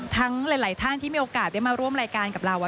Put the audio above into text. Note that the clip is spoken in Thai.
ทั้งหลายท่านที่มีโอกาสได้มาร่วมรายการกับเรา